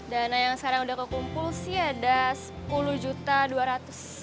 dana yang sekarang udah kekumpul sih ada rp sepuluh dua ratus